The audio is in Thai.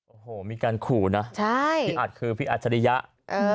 โอ้โหมีการขู่นะพี่อัดคือพี่อัจฉริยะ